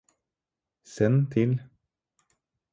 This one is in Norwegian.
send til